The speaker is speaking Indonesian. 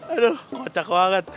aduh kocak banget